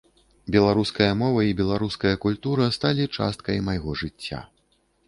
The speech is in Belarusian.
Беларуская мова і беларуская культура сталі часткай майго жыцця.